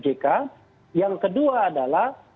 jika yang kedua adalah